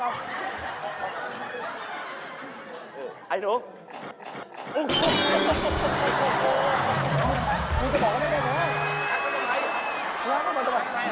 ไม่ไม่ไม่ไม่